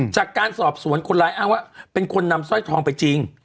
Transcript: จากการสอบสวนคนร้ายอ้างว่าเป็นคนนำสร้อยทองไปจริง